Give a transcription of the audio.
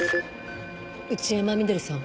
内山碧さん。